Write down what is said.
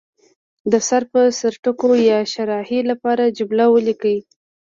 د سر په سر ټکو یا شارحې لپاره جمله ولیکي.